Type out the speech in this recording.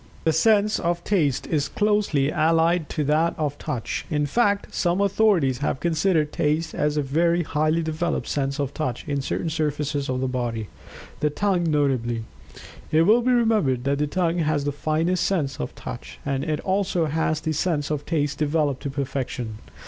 The sense of Taste is closely allied to that of Touch in fact some authorities have considered Taste as a very highly developed sense of Touch in certain surfaces of the body, the tongue notably. It will be remembered that the tongue has the finest sense of Touch, and it also has the sense of Taste developed to perfection.